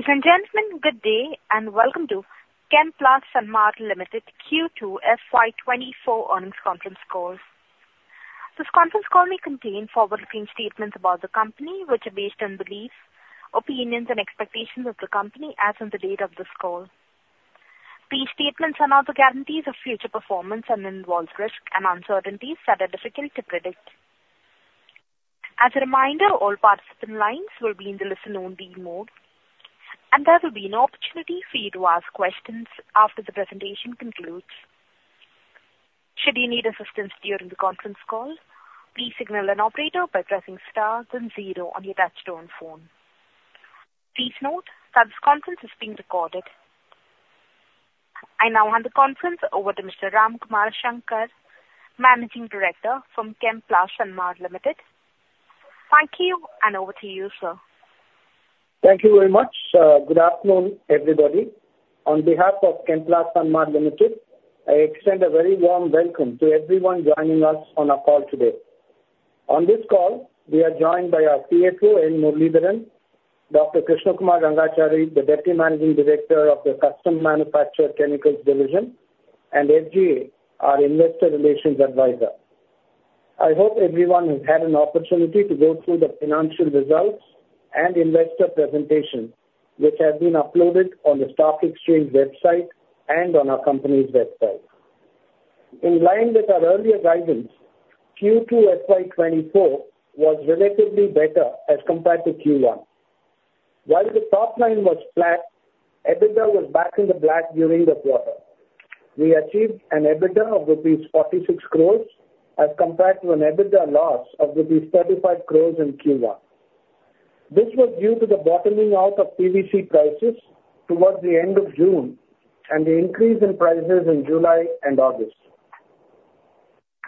Ladies and gentlemen, good day and welcome to Chemplast Sanmar Ltd Q2 FY 2024 Earnings Conference Call. This conference call may contain forward-looking statements about the company which are based on beliefs, opinions, and expectations of the company as of the date of the call. These statements are not the guarantees of future performance and involve risk and uncertainties that are difficult to predict. As a reminder, all participant lines will be in the listen-only mode and there will be no opportunity for you to ask questions after the presentation concludes. Should you need assistance during the conference call, please signal an operator by pressing star then zero on your touch-tone phone. Please note that this conference is being recorded. I now hand the conference over to Mr. Ramkumar Shankar, Managing Director from Chemplast Sanmar Ltd. Thank you and over to you, sir. Thank you very much. Good afternoon, everybody. On behalf of Chemplast Sanmar Ltd, I extend a very warm welcome to everyone joining us on our call today. On this call, we are joined by our CFO, N. Muralidharan, Dr. Krishna Kumar Rangachari, the Deputy Managing Director of the Custom Manufactured Chemicals Division, and SGA, our Investor Relations Advisor. I hope everyone has had an opportunity to go through the financial results and investor presentations which have been uploaded on the Stock Exchange website and on our company's website. In line with our earlier guidance, Q2 FY 2024 was relatively better as compared to Q1. While the top line was flat, EBITDA was back in the black during the quarter. We achieved an EBITDA of rupees 46 crores as compared to an EBITDA loss of rupees 35 crores in Q1. This was due to the bottoming out of PVC prices towards the end of June and the increase in prices in July and August.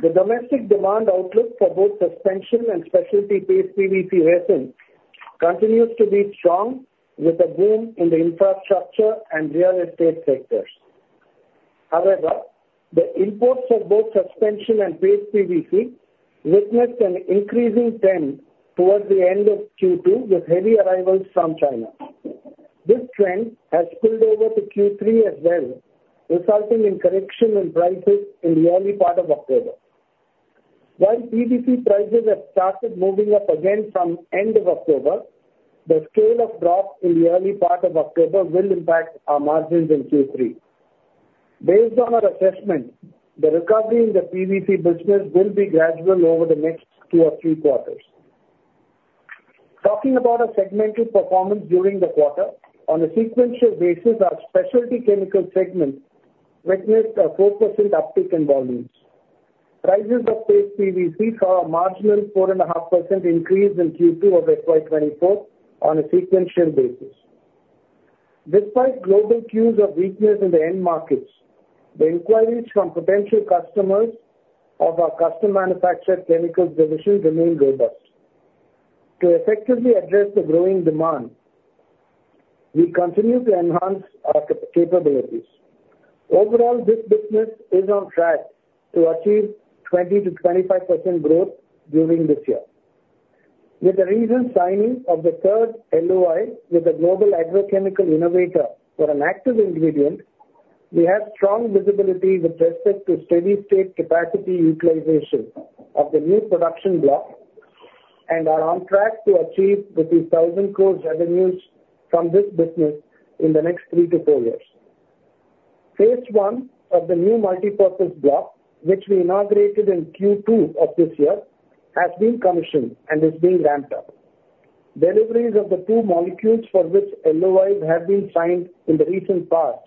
The domestic demand outlook for both suspension and specialty-based PVC resin continues to be strong with a boom in the infrastructure and real estate sectors. However, the imports of both suspension and paste PVC witnessed an increasing trend towards the end of Q2 with heavy arrivals from China. This trend has spilled over to Q3 as well, resulting in correction in prices in the early part of October. While PVC prices have started moving up again from end of October, the scale of drop in the early part of October will impact our margins in Q3. Based on our assessment, the recovery in the PVC business will be gradual over the next two or three quarters. Talking about our segmental performance during the quarter, on a sequential basis, our specialty chemical segment witnessed a 4% uptick in volumes. Prices of paste PVC saw a marginal 4.5% increase in Q2 of FY 2024 on a sequential basis. Despite global cues of weakness in the end markets, the inquiries from potential customers of our Custom Manufactured Chemicals Division remain robust. To effectively address the growing demand, we continue to enhance our capabilities. Overall, this business is on track to achieve 20%-25% growth during this year. With the recent signing of the third LOI with a global agrochemical innovator for an active ingredient, we have strong visibility with respect to steady-state capacity utilization of the new production block and are on track to achieve rupees 1,000 crores revenues from this business in the next three to four years. Phase I of the new multipurpose block, which we inaugurated in Q2 of this year, has been commissioned and is being ramped up. Deliveries of the two molecules for which LOIs have been signed in the recent past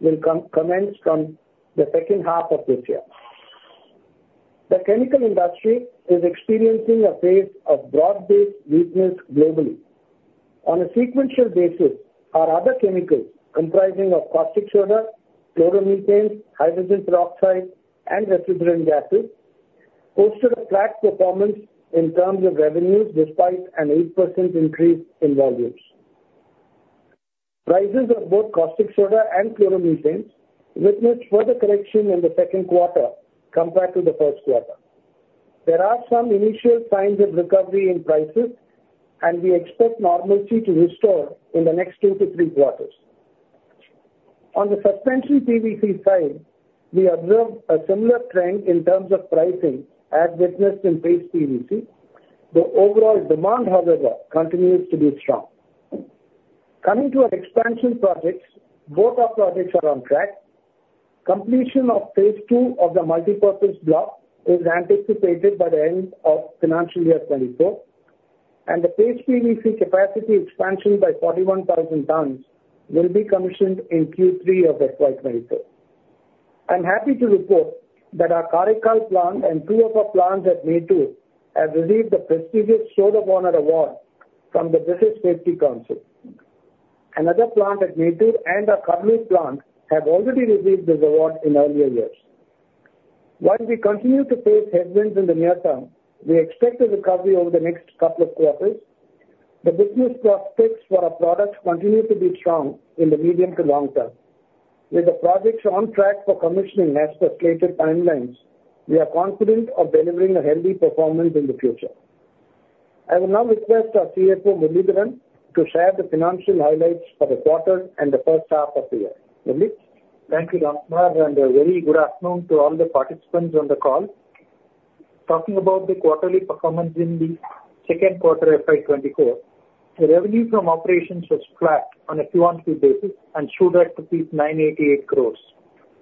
will commence from the second half of this year. The chemical industry is experiencing a phase of broad-based weakness globally. On a sequential basis, our other chemicals comprising caustic soda, chloromethane, hydrogen peroxide, and refrigerant gases posted a flat performance in terms of revenues despite an 8% increase in volumes. Prices of both caustic soda and chloromethane witnessed further correction in the second quarter compared to the first quarter. There are some initial signs of recovery in prices, and we expect normalcy to restore in the next two to three quarters. On the suspension PVC side, we observed a similar trend in terms of pricing as witnessed in paste PVC. The overall demand, however, continues to be strong. Coming to our expansion projects, both our projects are on track. Completion of phase II of the multipurpose block is anticipated by the end of financial year 2024, and the paste PVC capacity expansion by 41,000 tons will be commissioned in Q3 of FY 2024. I'm happy to report that our Karaikal plant and two of our plants at Mettur have received the prestigious Sword of Honour Award from the British Safety Council. Another plant at Mettur and our Karaikal plant have already received this award in earlier years. While we continue to face headwinds in the near term, we expect a recovery over the next couple of quarters. The business prospects for our products continue to be strong in the medium to long term. With the projects on track for commissioning as per stated timelines, we are confident of delivering a healthy performance in the future. I will now request our CFO, Muralidharan, to share the financial highlights for the quarter and the first half of the year. Murli? Thank you, Ramkumar, and a very good afternoon to all the participants on the call. Talking about the quarterly performance in the second quarter of FY 2024, the revenue from operations was flat on a quarterly basis and should have reached rupees 988 crores.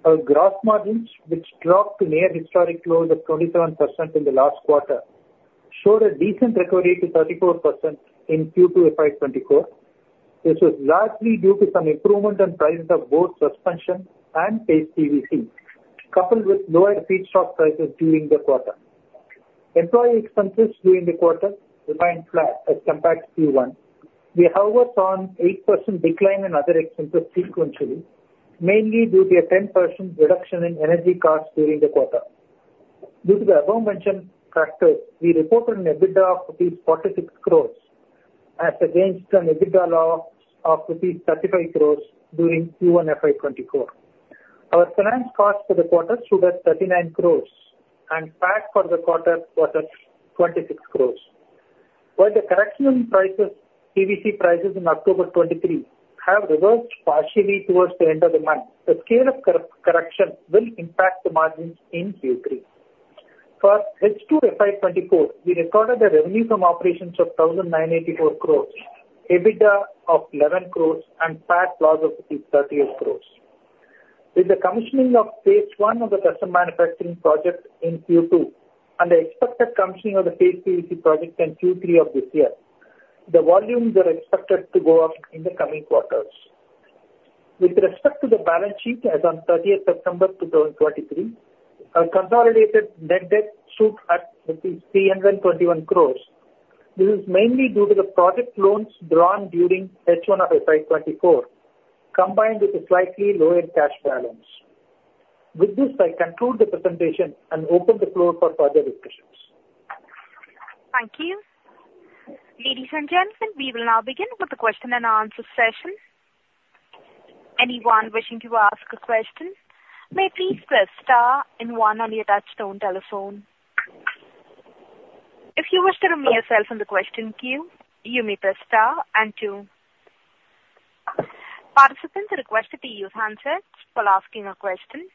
Our gross margins, which dropped to near historic lows of 27% in the last quarter, showed a decent recovery to 34% in Q2 of FY 2024. This was largely due to some improvement in prices of both suspension and paste PVC, coupled with lower feedstock prices during the quarter. Employee expenses during the quarter remained flat as compared to Q1. We, however, saw an 8% decline in other expenses sequentially, mainly due to a 10% reduction in energy costs during the quarter. Due to the above-mentioned factors, we reported an EBITDA of rupees 46 crores as against an EBITDA loss of rupees 35 crores during Q1 of FY 2024. Our finance costs for the quarter should have been 39 crores, and PAT for the quarter was at 26 crores. While the correction in prices, PVC prices in October 2023, have reversed partially towards the end of the month, the scale of correction will impact the margins in Q3. For H2 FY 2024, we recorded a revenue from operations of 1,984 crores, EBITDA of 11 crores, and PAT loss of 38 crores. With the commissioning of phase I of the custom manufacturing project in Q2 and the expected commissioning of the paste PVC project in Q3 of this year, the volumes are expected to go up in the coming quarters. With respect to the balance sheet as on 30th September 2023, our consolidated net debt should have been 321 crores. This is mainly due to the project loans drawn during H1 of FY 2024 combined with a slightly lower cash balance. With this, I conclude the presentation and open the floor for further discussions. Thank you. Ladies and gentlemen, we will now begin with the question-and-answer session. Anyone wishing to ask a question may please press star one on your touch-tone telephone. If you wish to remove yourself from the question queue, you may press star two. Participants are requested to use handsets while asking a question.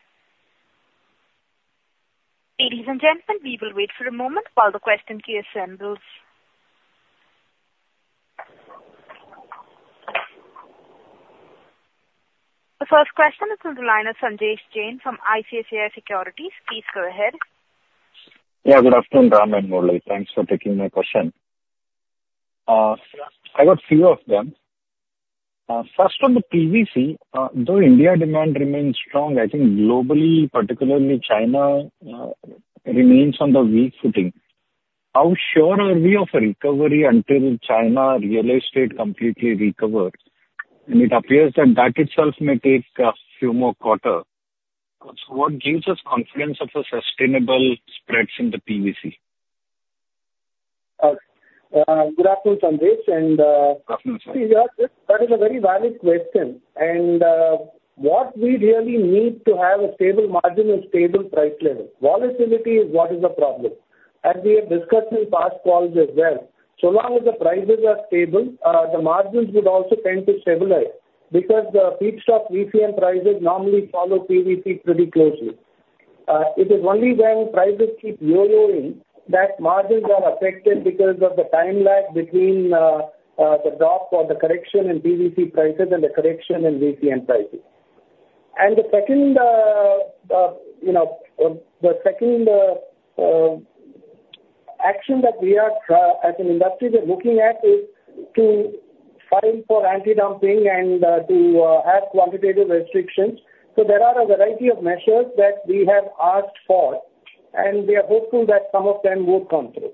Ladies and gentlemen, we will wait for a moment while the question queue assembles. The first question is from the line of Sanjesh Jain from ICICI Securities. Please go ahead. Yeah, good afternoon, Ram and Murali. Thanks for taking my question. I got a few of them. First, on the PVC, though India demand remains strong, I think globally, particularly China, remains on the weak footing. How sure are we of a recovery until China real estate completely recovers? And it appears that that itself may take a few more quarters. So what gives us confidence of a sustainable spread in the PVC? Good afternoon, Sanjesh. Good afternoon, sir. That is a very valid question. What we really need to have is a stable margin and stable price level. Volatility is what is the problem. As we have discussed in past calls as well, so long as the prices are stable, the margins would also tend to stabilize because the feedstock VCM prices normally follow PVC pretty closely. It is only when prices keep yo-yoing that margins are affected because of the time lag between the drop or the correction in PVC prices and the correction in VCM prices. The second action that we are as an industry are looking at is to file for anti-dumping and to have quantitative restrictions. There are a variety of measures that we have asked for, and we are hopeful that some of them would come through.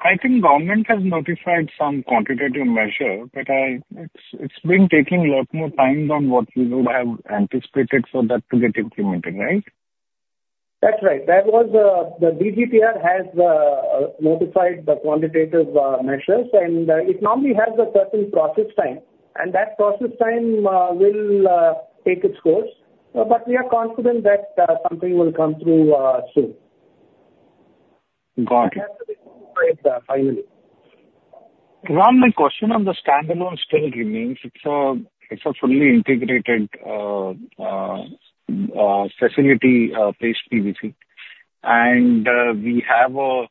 I think the government has notified some quantitative measure, but it's been taking a lot more time than what we would have anticipated for that to get implemented, right? That's right. The DGTR has notified the quantitative measures, and it normally has a certain process time. That process time will take its course. But we are confident that something will come through soon. Got it. We have to be notified finally. Ram, my question on the standalone still remains. It's a fully integrated facility paste PVC. We have a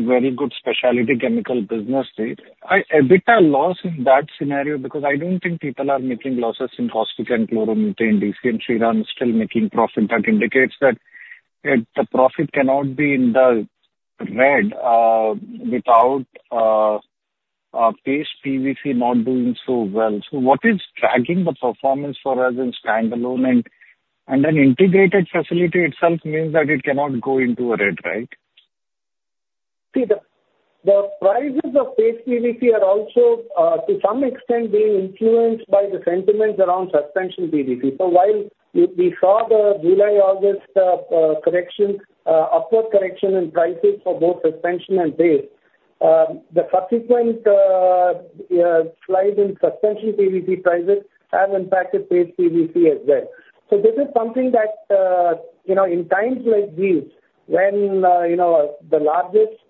very good specialty chemical business there. EBITDA loss in that scenario because I don't think people are making losses in caustic and chlorine, EDC, and Shriram is still making profit, that indicates that the profit cannot be in the red without paste PVC not doing so well. So what is dragging the performance for us in standalone and an integrated facility itself means that it cannot go into a red, right? See, the prices of paste PVC are also, to some extent, being influenced by the sentiments around suspension PVC. So while we saw the July-August upward correction in prices for both suspension and paste, the subsequent slide in suspension PVC prices has impacted paste PVC as well. So this is something that in times like these, when the largest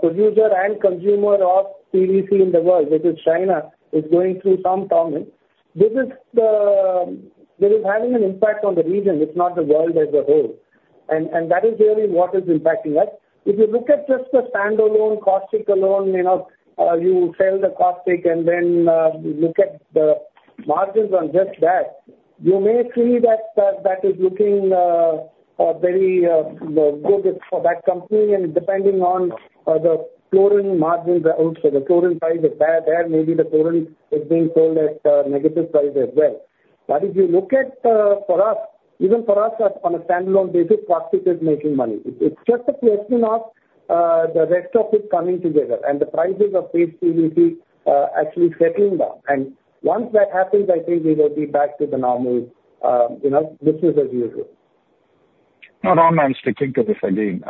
producer and consumer of PVC in the world, which is China, is going through some toughness, this is having an impact on the region. It's not the world as a whole. And that is really what is impacting us. If you look at just the standalone, caustic alone, you sell the caustic and then look at the margins on just that, you may see that that is looking very good for that company. And depending on the chlorine margins outside, the chlorine price is bad. There, maybe the chlorine is being sold at negative price as well. But if you look at for us, even for us on a standalone basis, caustic is making money. It's just a question of the rest of it coming together and the prices of paste PVC actually settling down. Once that happens, I think we will be back to the normal business as usual. Now, Ram, I'm sticking to this again.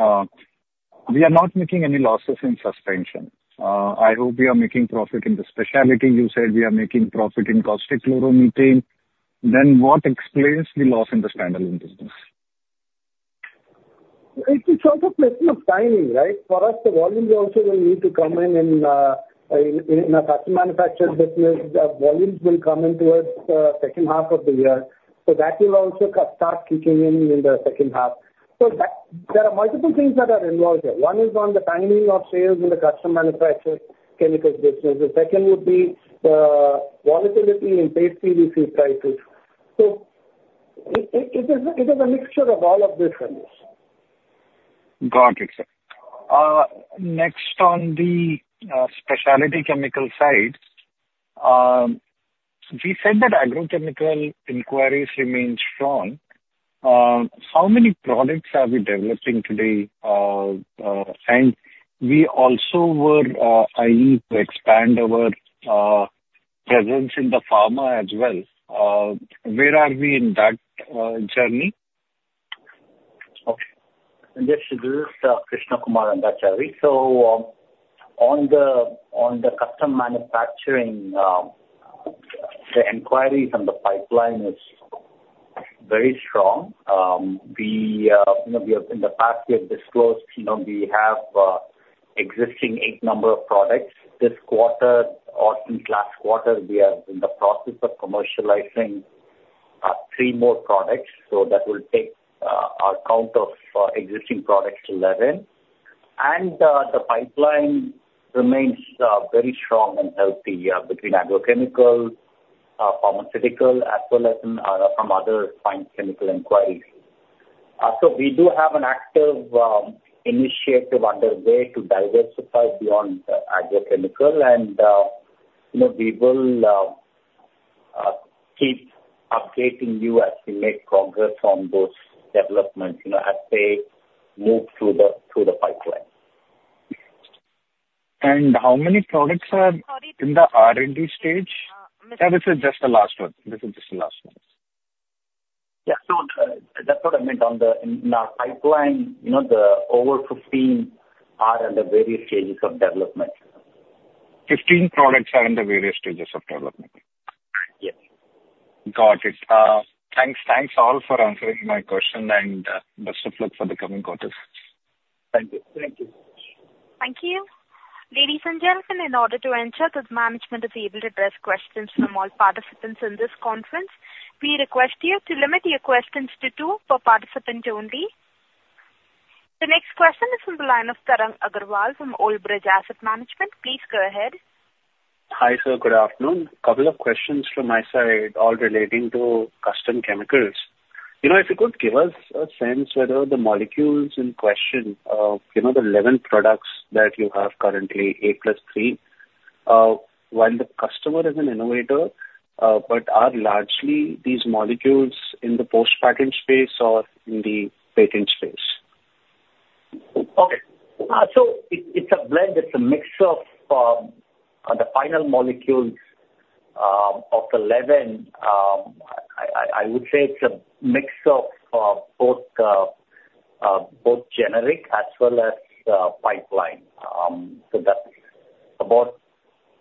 We are not making any losses in suspension. I hope we are making profit in the specialty. You said we are making profit in caustic chloromethane. Then what explains the loss in the standalone business? It's also a question of timing, right? For us, the volumes also will need to come in. In a custom manufacturer business, volumes will come in towards the second half of the year. So that will also start kicking in in the second half. So there are multiple things that are involved here. One is on the timing of sales in the custom manufacturer chemicals business. The second would be volatility in paste PVC prices. So it is a mixture of all of this, I guess. Got it, sir. Next, on the specialty chemical side, we said that agrochemical inquiries remain strong. How many products are we developing today? And we also were eyeing to expand our presence in the pharma as well. Where are we in that journey? Okay. This is Krishna Kumar Rangachari. On the custom manufacturing, the inquiries and the pipeline is very strong. In the past, we have disclosed we have an existing 8 number of products. This quarter, or since last quarter, we are in the process of commercializing 3 more products. That will take our count of existing products to 11. The pipeline remains very strong and healthy between agrochemical, pharmaceutical, as well as from other fine chemical inquiries. We do have an active initiative underway to diversify beyond agrochemical. We will keep updating you as we make progress on those developments as they move through the pipeline. How many products are in the R&D stage? This is just the last one. This is just the last one. Yeah. So that's what I meant. In our pipeline, the over 15 are in the various stages of development. 15 products are in the various stages of development. Yes. Got it. Thanks all for answering my question. Best of luck for the coming quarters. Thank you. Thank you. Thank you. Ladies and gentlemen, in order to ensure that management is able to address questions from all participants in this conference, we request you to limit your questions to two per participant only. The next question is from the line of Tarang Agrawal from Old Bridge Asset Management. Please go ahead. Hi, sir. Good afternoon. A couple of questions from my side, all relating to custom chemicals. If you could give us a sense whether the molecules in question, the 11 products that you have currently, 8 + 3, while the customer is an innovator, but are largely these molecules in the post-patent space or in the patent space? Okay. So it's a blend. It's a mix of the final molecules of the 11. I would say it's a mix of both generic as well as pipeline. So that's about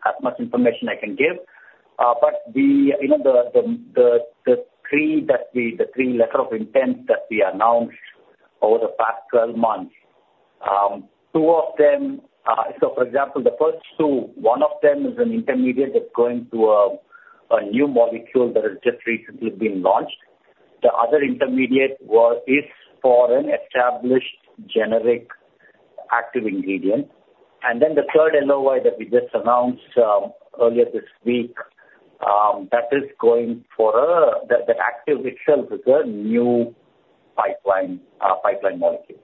as much information I can give. But the three letters of intent that we announced over the past 12 months, two of them, so, for example, the first two, one of them is an intermediate that's going to a new molecule that has just recently been launched. The other intermediate is for an established generic active ingredient. And then the third LOI that we just announced earlier this week, that is going for that active itself is a new pipeline molecule.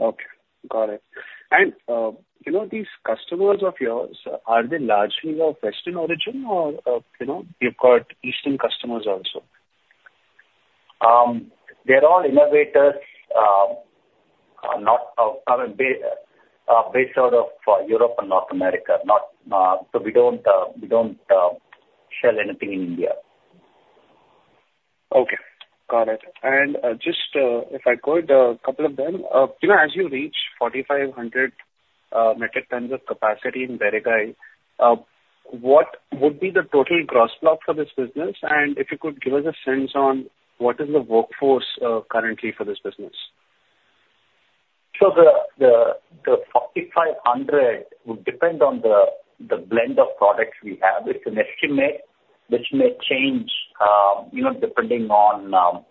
Okay. Got it. These customers of yours, are they largely of Western origin, or you've got Eastern customers also? They're all innovators, based out of Europe and North America. So we don't sell anything in India. Okay. Got it. And just if I go to a couple of them, as you reach 4,500 metric tons of capacity in Berigai, what would be the total gross block for this business? And if you could give us a sense on what is the workforce currently for this business? So the 4,500 metric tons would depend on the blend of products we have. It's an estimate which may change depending on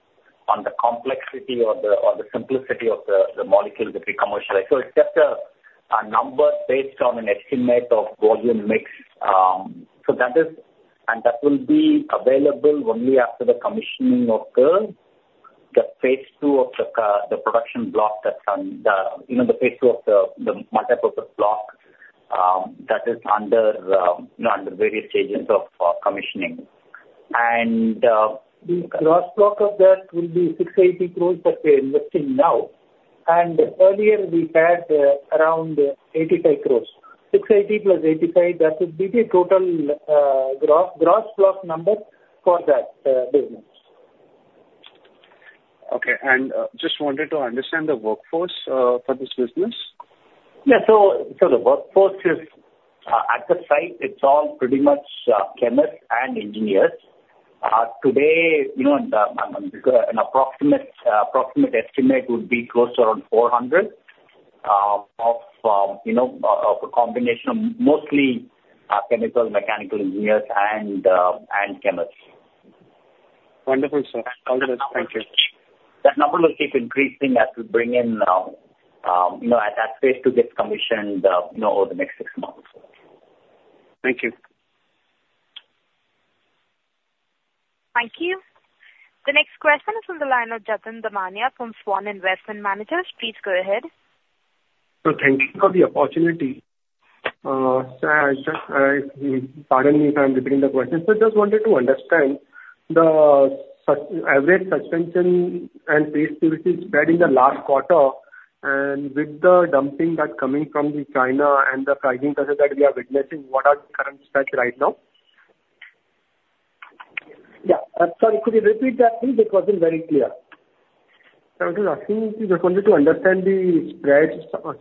the complexity or the simplicity of the molecules that we commercialize. So it's just a number based on an estimate of volume mix. So that is. And that will be available only after the commissioning of the phase II of the production block that's on the phase II of the multipurpose block that is under various stages of commissioning. And. The gross block of that will be 680 crore that we are investing now. Earlier, we had around 85 crore. 680 plus 85, that would be the total gross block number for that business. Okay. Just wanted to understand the workforce for this business. Yeah. So the workforce is at the site, it's all pretty much chemists and engineers. Today, an approximate estimate would be close to around 400 of a combination of mostly chemical, mechanical engineers, and chemists. Wonderful, sir. All the best. Thank you. That number will keep increasing as we bring in that phase II gets commissioned over the next six months. Thank you. Thank you. The next question is from the line of Jatin Damania from Svan Investment Managers. Please go ahead. So thank you for the opportunity. Pardon me if I'm repeating the question. So I just wanted to understand the average suspension and paste PVC spread in the last quarter. And with the dumping that's coming from China and the pricing crisis that we are witnessing, what are the current spreads right now? Yeah. Sorry. Could you repeat that, please? It wasn't very clear. I was just asking you just wanted to understand the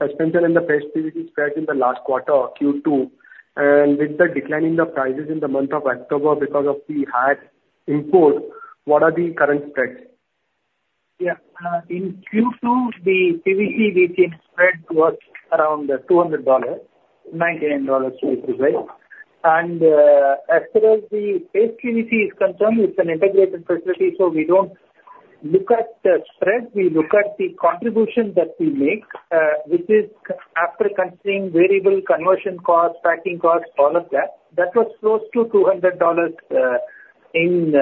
suspension and the paste PVC spread in the last quarter, Q2. And with the decline in the prices in the month of October because of the high import, what are the current spreads? Yeah. In Q2, the PVC VCM spread was around $200.99, to be precise. And as far as the paste PVC is concerned, it's an integrated facility. So we don't look at the spread. We look at the contribution that we make, which is after considering variable conversion costs, packing costs, all of that, that was close to $200 in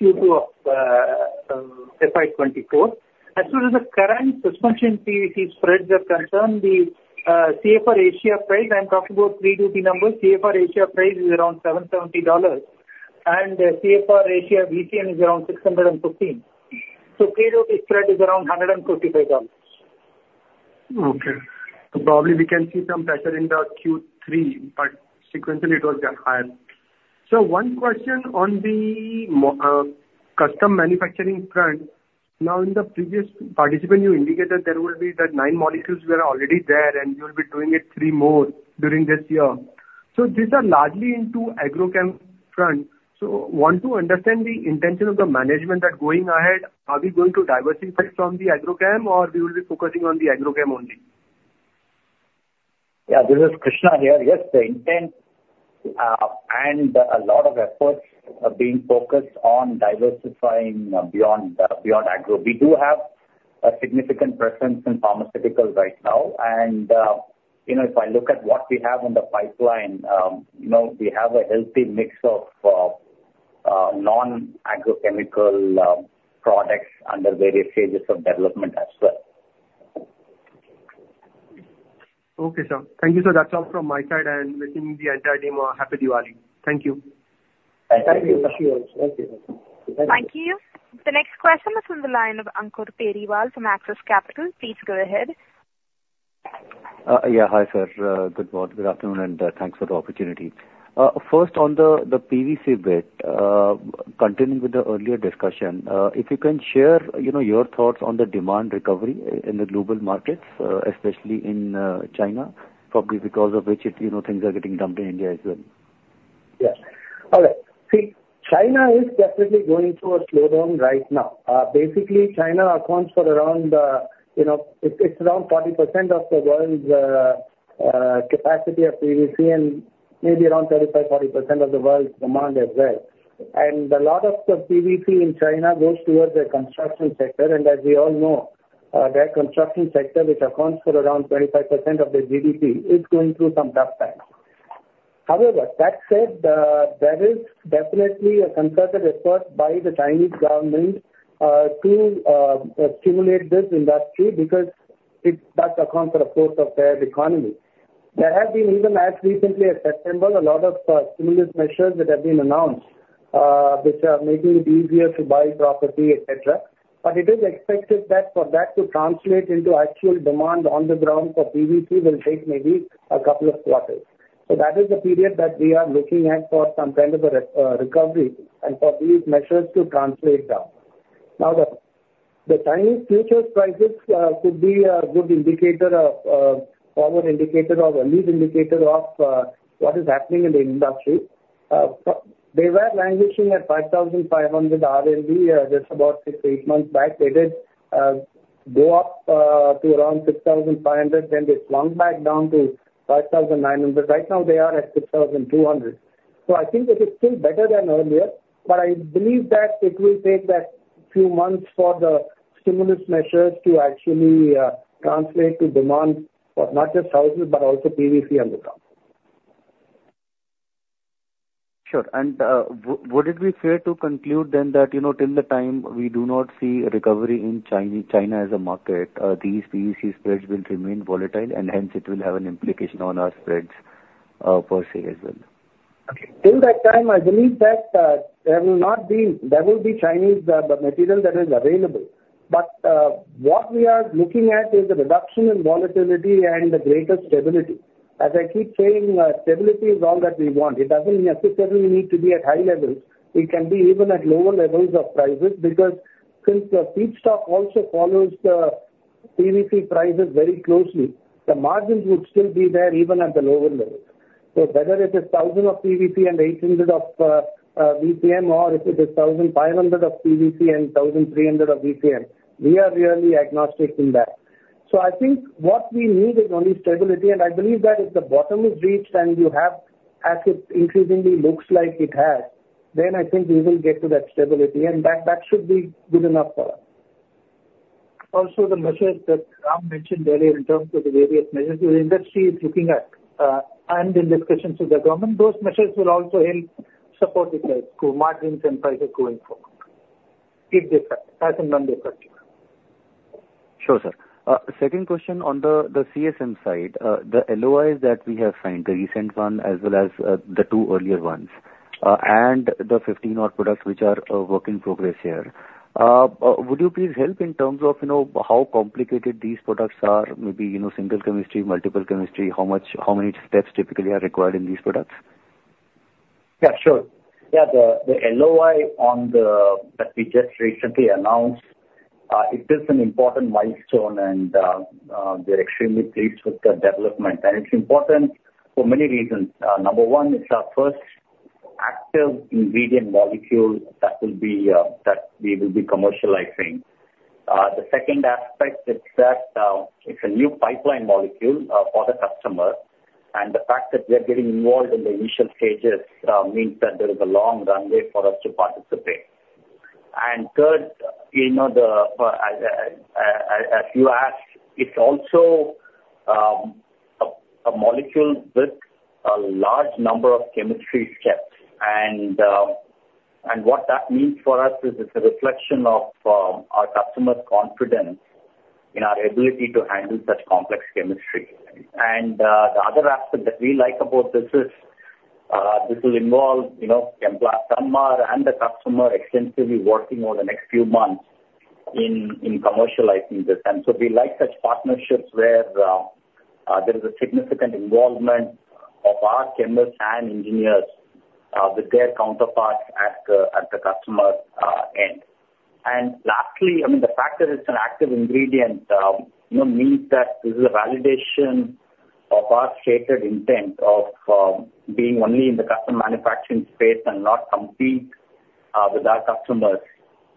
Q2 of FY24. As far as the current suspension PVC spreads are concerned, the CFR Asia price I'm talking about, pre-duty number. CFR Asia price is around $770. CFR Asia VCM is around $615. So pre-duty spread is around $145. Okay. So probably we can see some pressure in the Q3, but sequentially, it was higher. So one question on the custom manufacturing front. Now, in the previous participant, you indicated there will be that 9 molecules were already there, and you will be doing 3 more during this year. So these are largely into agrochem front. So want to understand the intention of the management that's going ahead. Are we going to diversify from the agrochem, or we will be focusing on the agrochem only? Yeah. This is Krishna here. Yes, the intent and a lot of efforts are being focused on diversifying beyond agro. We do have a significant presence in pharmaceuticals right now. If I look at what we have in the pipeline, we have a healthy mix of non-agrochemical products under various stages of development as well. Okay, sir. Thank you, sir. That's all from my side. And within the entire team, happy Diwali. Thank you. Thank you. Thank you. Thank you. The next question is from the line of Ankur Periwal from Axis Capital. Please go ahead. Yeah. Hi, sir. Good afternoon, and thanks for the opportunity. First, on the PVC bit, continuing with the earlier discussion, if you can share your thoughts on the demand recovery in the global markets, especially in China, probably because of which things are getting dumped in India as well. Yeah. All right. See, China is definitely going through a slowdown right now. Basically, China accounts for around; it's around 40% of the world's capacity of PVC and maybe around 35%-40% of the world's demand as well. And a lot of the PVC in China goes towards the construction sector. And as we all know, their construction sector, which accounts for around 25% of their GDP, is going through some tough times. However, that said, there is definitely a concerted effort by the Chinese government to stimulate this industry because that accounts for a fourth of their economy. There have been, even as recently as September, a lot of stimulus measures that have been announced, which are making it easier to buy property, etc. But it is expected that for that to translate into actual demand on the ground for PVC will take maybe a couple of quarters. So that is the period that we are looking at for some kind of a recovery and for these measures to translate down. Now, the Chinese futures prices could be a good indicator, a forward indicator, or a lead indicator of what is happening in the industry. They were languishing at 5,500 RMB just about six to eight months back. They did go up to around 6,500. Then they swung back down to 5,900. Right now, they are at 6,200. So I think it is still better than earlier, but I believe that it will take that few months for the stimulus measures to actually translate to demand for not just houses, but also PVC on the ground. Sure. Would it be fair to conclude then that till the time we do not see recovery in China as a market, these PVC spreads will remain volatile, and hence, it will have an implication on our spreads per se as well? Okay. Till that time, I believe that there will be Chinese material that is available. But what we are looking at is a reduction in volatility and a greater stability. As I keep saying, stability is all that we want. It doesn't necessarily need to be at high levels. It can be even at lower levels of prices because since the feedstock also follows the PVC prices very closely, the margins would still be there even at the lower levels. So whether it is $1,000 of PVC and $800 of VCM or if it is $1,500 of PVC and $1,300 of VCM, we are really agnostic in that. So I think what we need is only stability. And I believe that if the bottom is reached and you have, as it increasingly looks like it has, then I think we will get to that stability. That should be good enough for us. Also, the measures that Ram mentioned earlier in terms of the various measures the industry is looking at and in discussions with the government, those measures will also help support the margins and prices going forward as a non-destructive measure. Sure, sir. Second question on the CSM side, the LOIs that we have signed, the recent one as well as the two earlier ones, and the 15 more products which are a work in progress here, would you please help in terms of how complicated these products are? Maybe single chemistry, multiple chemistry, how many steps typically are required in these products? Yeah, sure. Yeah. The LOI that we just recently announced, it is an important milestone, and we're extremely pleased with the development. It's important for many reasons. Number one, it's our first active ingredient molecule that we will be commercializing. The second aspect is that it's a new pipeline molecule for the customer. And the fact that we are getting involved in the initial stages means that there is a long runway for us to participate. And third, as you asked, it's also a molecule with a large number of chemistry steps. And what that means for us is it's a reflection of our customer's confidence in our ability to handle such complex chemistry. And the other aspect that we like about this is this will involve Chemplast Sanmar and the customer extensively working over the next few months in commercializing this. And so we like such partnerships where there is a significant involvement of our chemists and engineers with their counterparts at the customer end. And lastly, I mean, the fact that it's an active ingredient means that this is a validation of our stated intent of being only in the custom manufacturing space and not compete with our customers.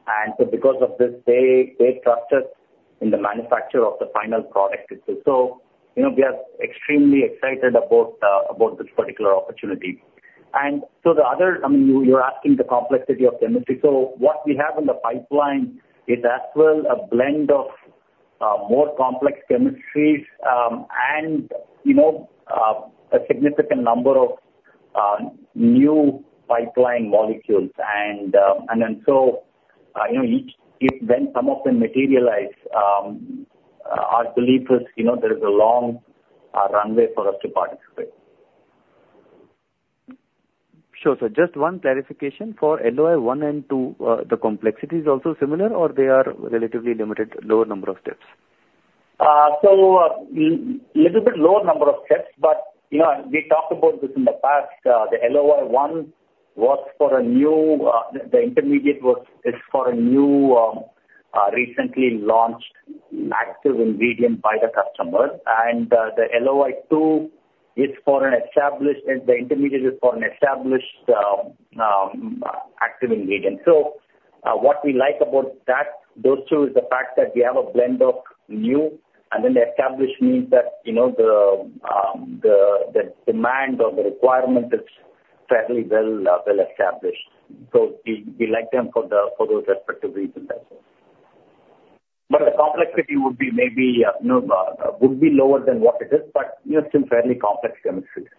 And so because of this, they trust us in the manufacture of the final product. So we are extremely excited about this particular opportunity. And so the other, I mean, you're asking the complexity of chemistry. So what we have in the pipeline is as well a blend of more complex chemistries and a significant number of new pipeline molecules. And then so when some of them materialize, our belief is there is a long runway for us to participate. Sure, sir. Just one clarification. For LOI 1 and 2, the complexity is also similar, or they are relatively limited, lower number of steps? So a little bit lower number of steps, but we talked about this in the past. The LOI 1 was for a new intermediate for a new recently launched active ingredient by the customer. And the LOI 2 is for an established intermediate for an established active ingredient. So what we like about those two is the fact that we have a blend of new and then established means that the demand or the requirement is fairly well established. So we like them for those respective reasons, I suppose. But the complexity would be maybe lower than what it is, but still fairly complex chemistries.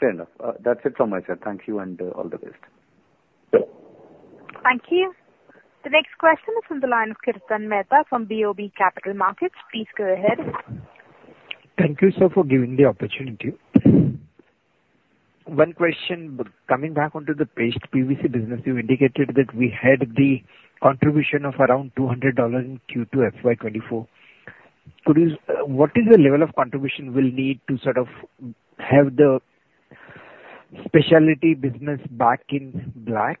Fair enough. That's it from my side. Thank you, and all the best. Sure. Thank you. The next question is from the line of Kirtan Mehta from BOB Capital Markets. Please go ahead. Thank you, sir, for giving the opportunity. One question. Coming back onto the paste PVC business, you indicated that we had the contribution of around $200 in Q2 FY 2024. What is the level of contribution we'll need to sort of have the specialty business back in black?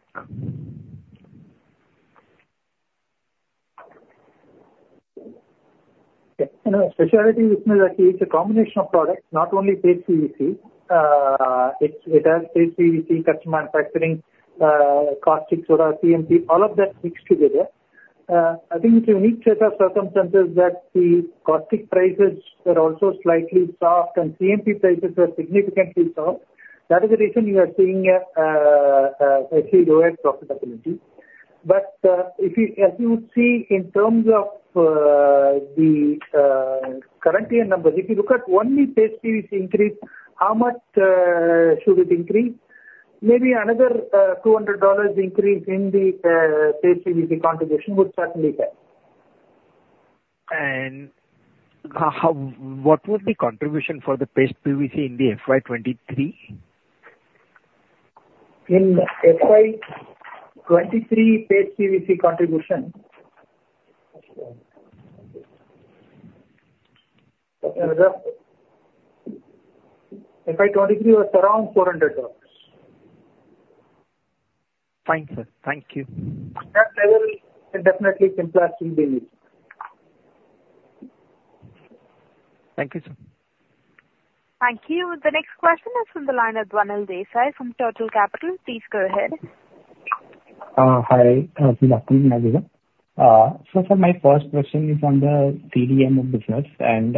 Yeah. Specialty business, actually, it's a combination of products, not only paste PVC. It has paste PVC, custom manufacturing, caustic soda, CMP, all of that mixed together. I think it's a unique set of circumstances that the caustic prices are also slightly soft, and CMP prices are significantly soft. That is the reason you are seeing actually lower profitability. But as you would see in terms of the current year numbers, if you look at only paste PVC increase, how much should it increase? Maybe another $200 increase in the paste PVC contribution would certainly help. What would be contribution for the paste PVC in the FY 2023? In FY 2023, paste PVC contribution FY 2023 was around $400. Fine, sir. Thank you. At that level, definitely, Chemplast will be needed. Thank you, sir. Thank you. The next question is from the line of Dhwanil Desai from Turtle Capital. Please go ahead. Hi. Good afternoon, everyone. So, sir, my first question is on the CDMO of business and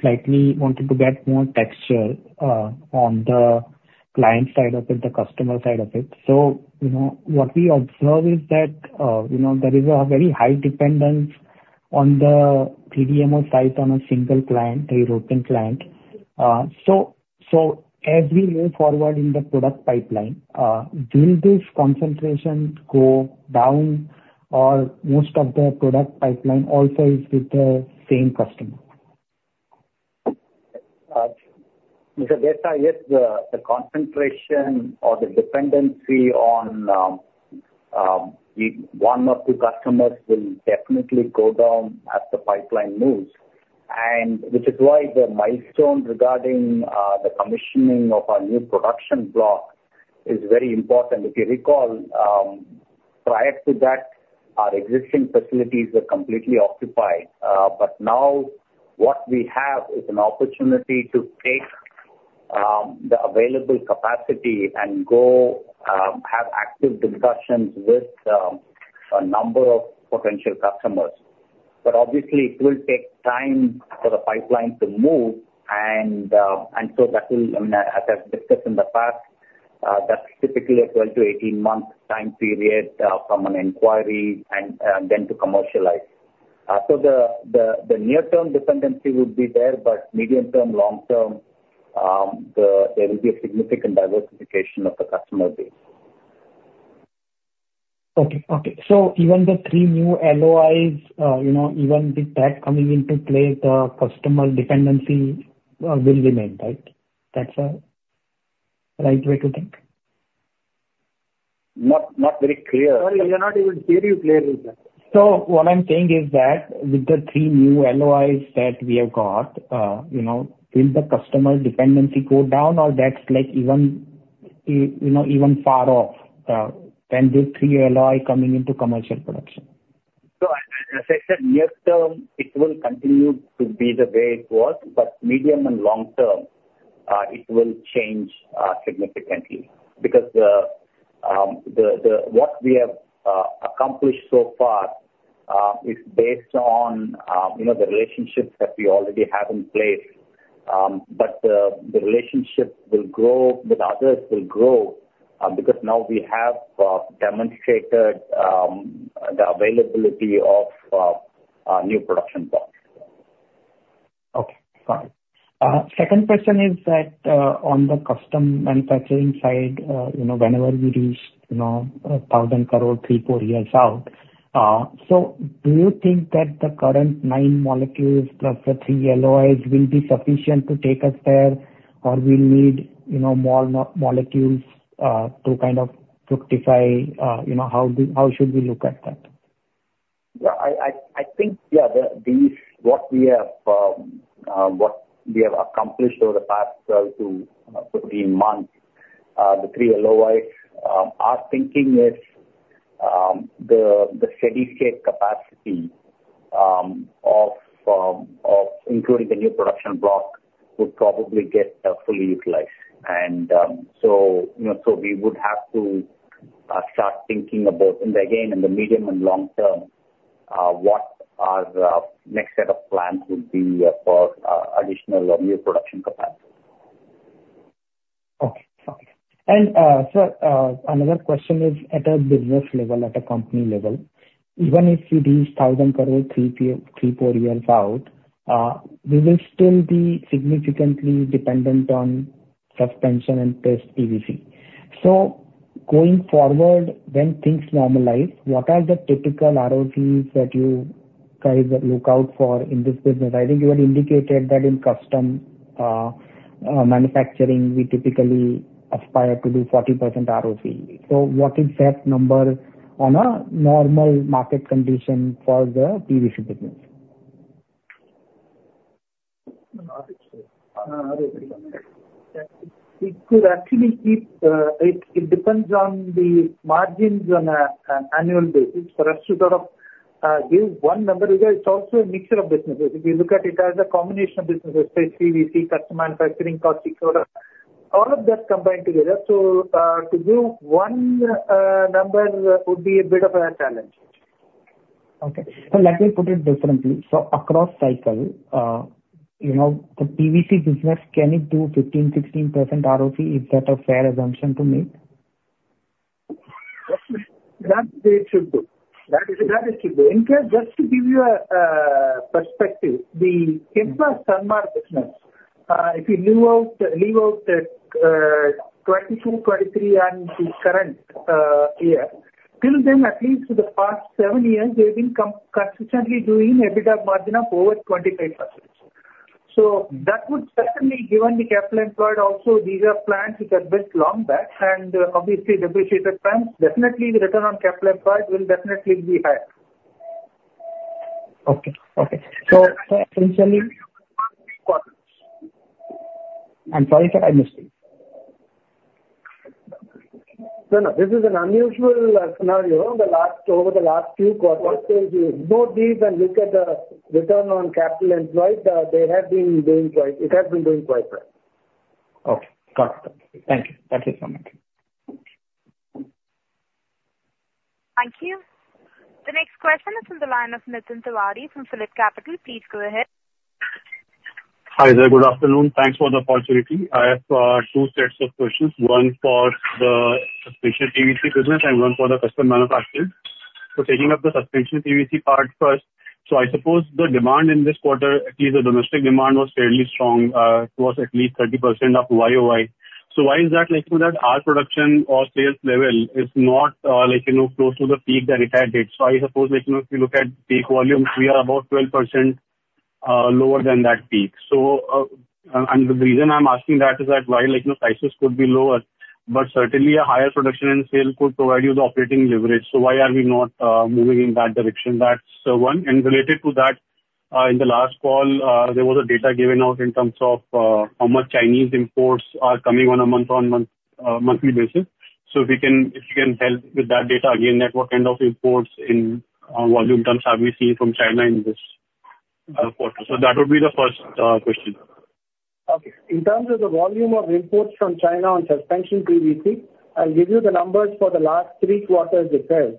slightly wanted to get more texture on the client side of it, the customer side of it. So what we observe is that there is a very high dependence on the CDMO side on a single client, the European client. So as we move forward in the product pipeline, will this concentration go down, or most of the product pipeline also is with the same customer? Mr. Desai, yes, the concentration or the dependency on one or two customers will definitely go down as the pipeline moves, which is why the milestone regarding the commissioning of our new production block is very important. If you recall, prior to that, our existing facilities were completely occupied. But now what we have is an opportunity to take the available capacity and have active discussions with a number of potential customers. But obviously, it will take time for the pipeline to move. And so that will, I mean, as I've discussed in the past, that's typically a 12-18-month time period from an inquiry and then to commercialize. So the near-term dependency would be there, but medium-term, long-term, there will be a significant diversification of the customer base. Okay. Okay. So even the three new LOIs, even with that coming into play, the customer dependency will remain, right? That's the right way to think? Not very clear. Sorry, I cannot even hear you clearly, sir. What I'm saying is that with the three new LOIs that we have got, will the customer dependency go down, or that's even far off when the three LOIs coming into commercial production? So as I said, near-term, it will continue to be the way it was. But medium and long-term, it will change significantly because what we have accomplished so far is based on the relationships that we already have in place. But the relationship with others will grow because now we have demonstrated the availability of new production blocks. Okay. Got it. Second question is that on the custom manufacturing side, whenever we reach 1,000 crore three to four years out, so do you think that the current nine molecules plus the three LOIs will be sufficient to take us there, or we'll need more molecules to kind of fructify? How should we look at that? Yeah. I think, yeah, what we have accomplished over the past 12-14 months, the three LOIs, our thinking is the steady-state capacity, including the new production block, would probably get fully utilized. And so we would have to start thinking about, again, in the medium and long term, what our next set of plans would be for additional or new production capacity. Okay. Okay. Sir, another question is at a business level, at a company level, even if we reach 1,000 crore three, four years out, we will still be significantly dependent on suspension and paste PVC. So going forward, when things normalize, what are the typical ROCs that you guys look out for in this business? I think you had indicated that in custom manufacturing, we typically aspire to do 40% ROC. So what is that number on a normal market condition for the PVC business? It could actually keep it. It depends on the margins on an annual basis. For us to sort of give one number, it's also a mixture of businesses. If you look at it as a combination of businesses, paste PVC, custom manufacturing, caustic soda, all of that combined together. So to give one number would be a bit of a challenge. Okay. So let me put it differently. So across cycle, the PVC business, can it do 15%-16% ROC? Is that a fair assumption to make? That's what it should do. That is what it should do. In fact, just to give you a perspective, the Chemplast Sanmar business, if you leave out 2022, 2023, and the current year, till then, at least for the past seven years, they've been consistently doing EBITDA margin of over 25%. So that would certainly, given the capital employed, also, these are plants which are built long back and obviously depreciated plants, definitely, the return on capital employed will definitely be higher. Okay. So, essentially. Quarters. I'm sorry, sir. I missed you. No, no. This is an unusual scenario. Over the last few quarters, if you note these and look at the return on capital employed, they have been doing quite. It has been doing quite well. Okay. Got it. Thank you. Thank you so much. Thank you. The next question is from the line of Nitin Tiwari from PhillipCapital. Please go ahead. Hi, sir. Good afternoon. Thanks for the opportunity. I have two sets of questions, one for the suspension PVC business and one for the custom manufacturers. So taking up the suspension PVC part first. So I suppose the demand in this quarter, at least the domestic demand, was fairly strong. It was at least 30% of YoY. So why is that? Our production or sales level is not close to the peak that it had hit. So I suppose if you look at peak volumes, we are about 12% lower than that peak. And the reason I'm asking that is that while prices could be lower, but certainly, a higher production and sale could provide you the operating leverage. So why are we not moving in that direction? That's one. Related to that, in the last call, there was a data given out in terms of how much Chinese imports are coming on a month-on-month monthly basis. If you can help with that data, again, what kind of imports in volume terms have we seen from China in this quarter? That would be the first question. Okay. In terms of the volume of imports from China on suspension PVC, I'll give you the numbers for the last three quarters itself.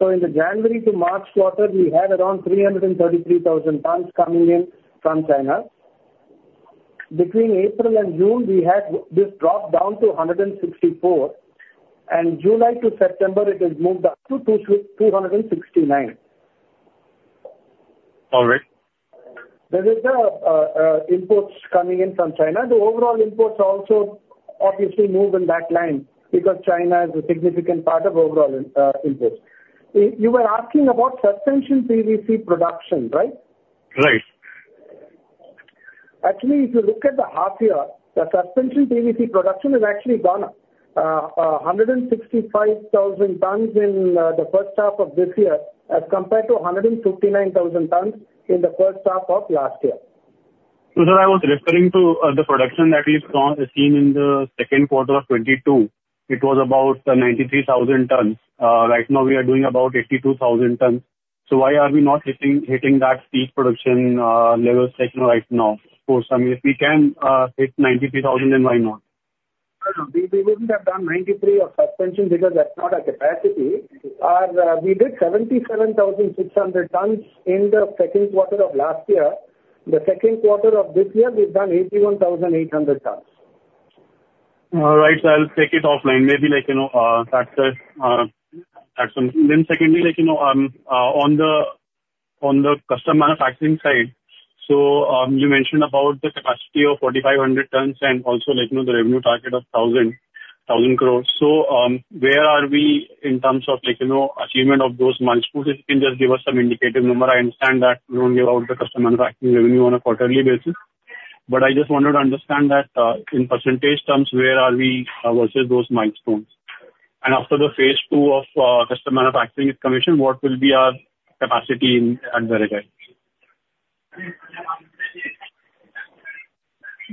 So in the January to March quarter, we had around 333,000 tons coming in from China. Between April and June, this dropped down to 164,000 tons. And July to September, it has moved up to 269,000 tons. All right. There is imports coming in from China. The overall imports also obviously move in that line because China is a significant part of overall imports. You were asking about suspension PVC production, right? Right. Actually, if you look at the half year, the suspension PVC production has actually gone 165,000 tons in the first half of this year as compared to 159,000 tons in the first half of last year. So, sir, I was referring to the production that is seen in the second quarter of 2022. It was about 93,000 tons. Right now, we are doing about 82,000 tons. So why are we not hitting that peak production levels right now? Of course, I mean, if we can hit 93,000, then why not? No, no. We wouldn't have done 93,000 tons of suspension because that's not our capacity. We did 77,600 tons in the second quarter of last year. The second quarter of this year, we've done 81,800 tons. All right. So I'll take it offline. Maybe that's it. Then secondly, on the custom manufacturing side, so you mentioned about the capacity of 4,500 tons and also the revenue target of 1,000 crore. So where are we in terms of achievement of those milestones? If you can just give us some indicative number. I understand that we don't give out the custom manufacturing revenue on a quarterly basis. But I just wanted to understand that in percentage terms, where are we versus those milestones? And after the phase II of custom manufacturing commissioning, what will be our capacity at Berigai? We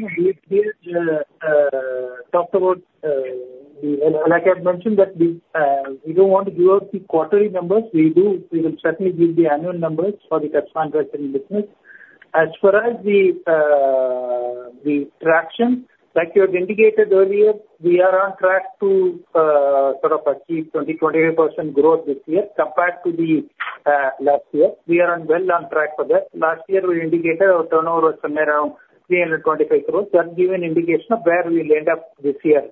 have talked about and I have mentioned that we don't want to give out the quarterly numbers. We will certainly give the annual numbers for the custom manufacturing business. As far as the traction, like you had indicated earlier, we are on track to sort of achieve 20%-25% growth this year compared to last year. We are well on track for that. Last year, we indicated our turnover was somewhere around 325 crore. That gave an indication of where we'll end up this year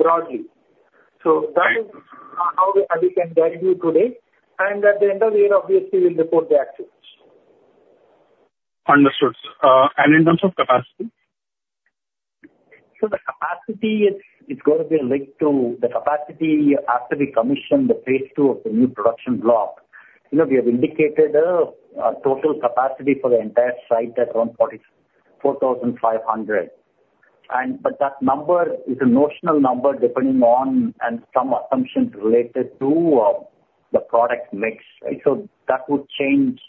broadly. So that is how we can guide you today. At the end of the year, obviously, we'll report the actual figures. Understood. And in terms of capacity? So the capacity, it's got to be linked to the capacity after we commission the phase II of the new production block. We have indicated a total capacity for the entire site at around 4,500 tons. But that number is a notional number depending on and some assumptions related to the product mix, right? So that would change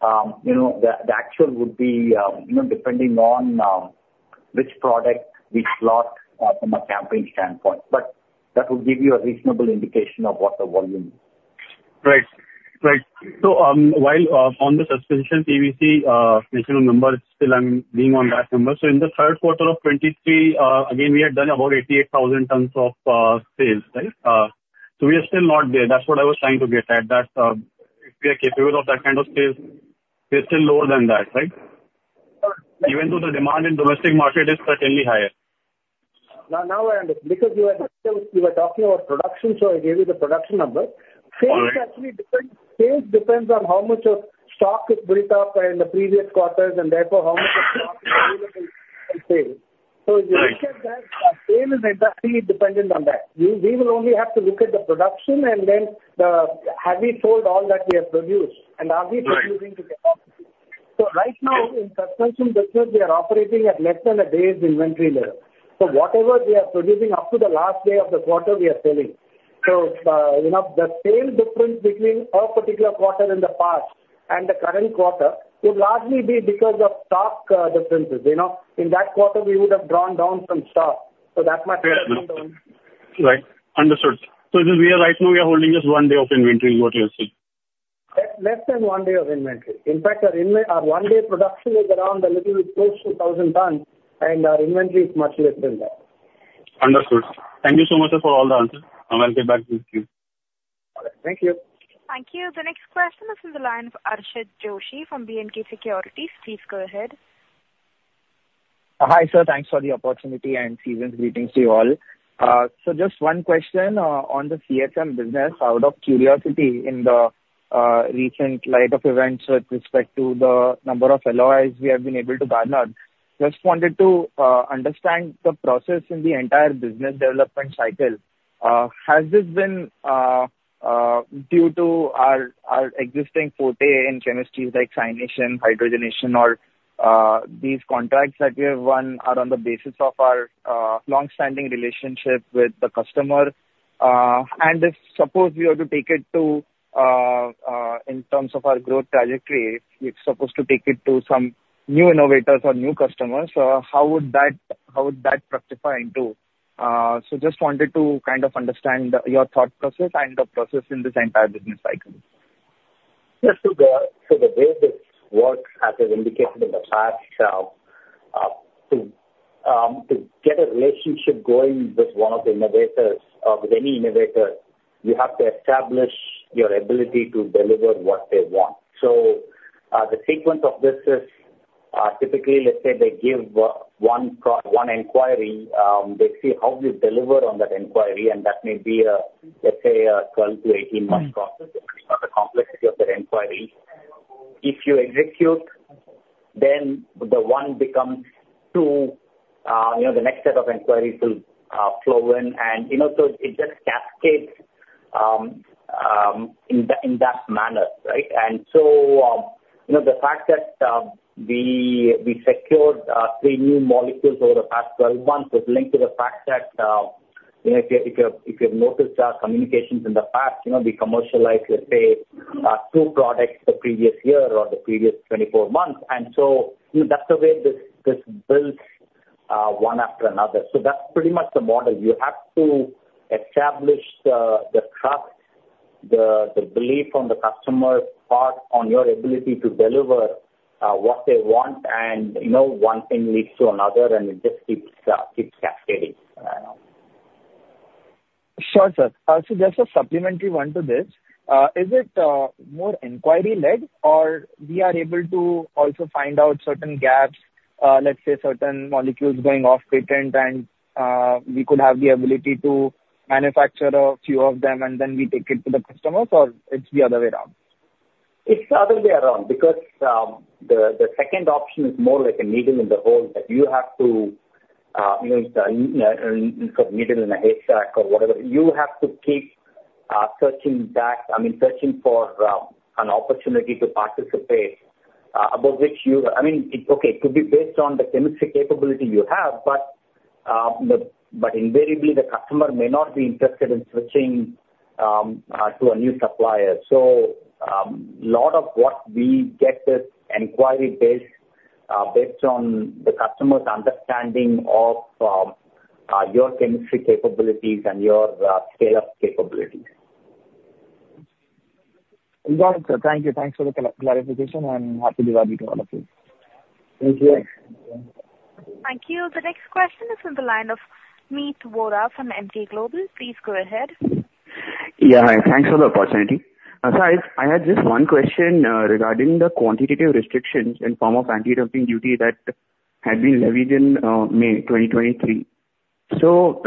the actual would be depending on which product we slot from a campaign standpoint. But that would give you a reasonable indication of what the volume is. Right. Right. So while on the suspension PVC national number, still, I'm being on that number. So in the third quarter of 2023, again, we had done about 88,000 tons of sales, right? So we are still not there. That's what I was trying to get at. If we are capable of that kind of sales, we are still lower than that, right? Even though the demand in domestic market is certainly higher. Now I understand. Because you were talking about production, so I gave you the production number. Sales actually depends on how much of stock is built up in the previous quarters and therefore how much of stock is available for sale. So if you look at that, sale is entirely dependent on that. We will only have to look at the production and then have we sold all that we have produced and are we producing to capacity. So right now, in suspension business, we are operating at less than a day's inventory level. So whatever we are producing up to the last day of the quarter, we are selling. So the sale difference between a particular quarter in the past and the current quarter would largely be because of stock differences. In that quarter, we would have drawn down some stock. So that matters. Right. Understood. So right now, we are holding just one day of inventory, is what you are saying? Less than one day of inventory. In fact, our one-day production is around a little bit close to 1,000 tons, and our inventory is much less than that. Understood. Thank you so much, sir, for all the answers. I'll get back to you. All right. Thank you. Thank you. The next question is from the line of Archit Joshi from B&K Securities. Please go ahead. Hi, sir. Thanks for the opportunity and Susan's greetings to you all. So just one question on the CSM business out of curiosity in the recent light of events with respect to the number of LOIs we have been able to garnered. Just wanted to understand the process in the entire business development cycle. Has this been due to our existing forte in chemistries like cyanation, hydrogenation, or these contracts that we have won are on the basis of our longstanding relationship with the customer? And if suppose we were to take it in terms of our growth trajectory, if suppose to take it to some new innovators or new customers, how would that fructify into? So just wanted to kind of understand your thought process and the process in this entire business cycle. Yeah. So the way this works, as I've indicated in the past, to get a relationship going with one of the innovators or with any innovator, you have to establish your ability to deliver what they want. So the sequence of this is typically, let's say, they give one inquiry. They see how we deliver on that inquiry. And that may be, let's say, a 12-18-month process depending on the complexity of that inquiry. If you execute, then the one becomes two. The next set of inquiries will flow in. And so it just cascades in that manner, right? And so the fact that we secured three new molecules over the past 12 months was linked to the fact that if you have noticed our communications in the past, we commercialized, let's say, two products the previous year or the previous 24 months. That's the way this builds one after another. That's pretty much the model. You have to establish the trust, the belief on the customer part on your ability to deliver what they want. One thing leads to another, and it just keeps cascading. Sure, sir. So just a supplementary one to this, is it more inquiry-led, or we are able to also find out certain gaps, let's say, certain molecules going off-patent, and we could have the ability to manufacture a few of them, and then we take it to the customers, or it's the other way around? It's the other way around because the second option is more like a needle in the hole that you have to. It's a needle in a haystack or whatever. You have to keep searching back, I mean, searching for an opportunity to participate about which you. I mean, okay, it could be based on the chemistry capability you have, but invariably, the customer may not be interested in switching to a new supplier. So a lot of what we get is inquiry-based based on the customer's understanding of your chemistry capabilities and your scale-up capabilities. Got it, sir. Thank you. Thanks for the clarification, and happy to give that to all of you. Thank you. Thank you. The next question is from the line of Meet Vora from Emkay Global. Please go ahead. Yeah. Hi. Thanks for the opportunity. Sir, I had just one question regarding the quantitative restrictions in form of anti-dumping duty that had been levied in May 2023. So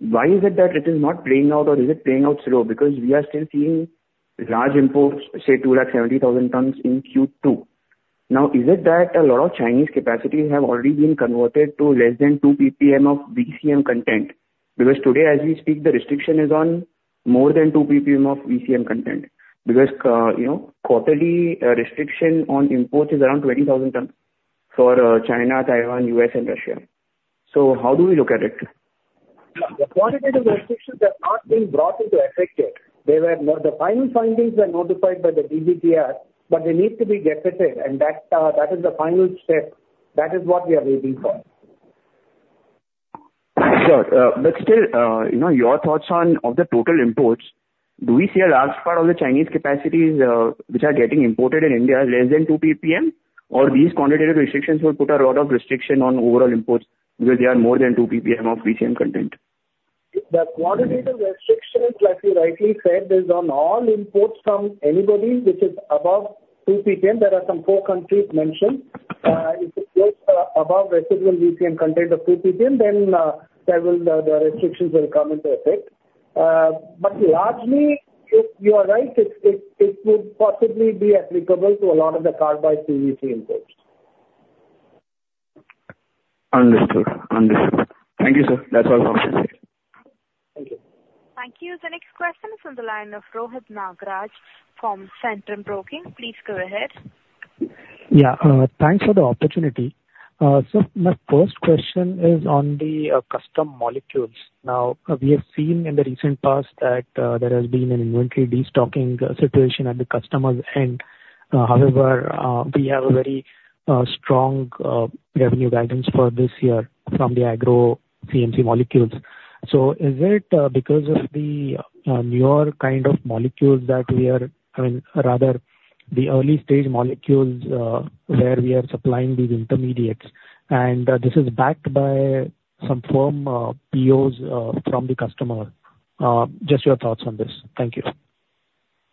why is it that it is not playing out, or is it playing out slow? Because we are still seeing large imports, say, 270,000 tons in Q2. Now, is it that a lot of Chinese capacities have already been converted to less than 2 PPM of VCM content? Because today, as we speak, the restriction is on more than 2 PPM of VCM content because quarterly, restriction on imports is around 20,000 tons for China, Taiwan, U.S., and Russia. So how do we look at it? The quantitative restrictions have not been brought into effect yet. The final findings were notified by the DGTR, but they need to be getting it. That is the final step. That is what we are waiting for. Sure. But still, your thoughts on the total imports, do we see a large part of the Chinese capacities which are getting imported in India less than 2 PPM, or these quantitative restrictions will put a lot of restriction on overall imports because they are more than 2 PPM of VCM content? The quantitative restrictions, like you rightly said, is on all imports from anybody which is above 2 PPM. There are some four countries mentioned. If it goes above residual VCM content of 2 PPM, then the restrictions will come into effect. But largely, you are right. It would possibly be applicable to a lot of the carbide PVC imports. Understood. Understood. Thank you, sir. That's all the questions here. Thank you. Thank you. The next question is from the line of Rohit Nagraj from Centrum Broking. Please go ahead. Yeah. Thanks for the opportunity. So my first question is on the custom molecules. Now, we have seen in the recent past that there has been an inventory destocking situation at the customer's end. However, we have a very strong revenue guidance for this year from the agro CMC molecules. So is it because of the newer kind of molecules that we are, I mean, rather the early-stage molecules where we are supplying these intermediates? And this is backed by some firm POs from the customer. Just your thoughts on this. Thank you.